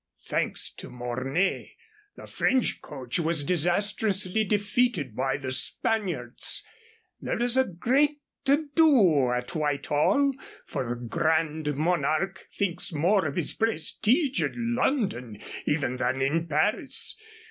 Thanks to Mornay, the French coach was disastrously defeated by the Spaniards. There is a great to do at Whitehall, for the Grand Monarque thinks more of his prestige in London even than in Paris.